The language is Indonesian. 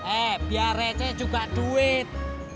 eh biar receh juga duit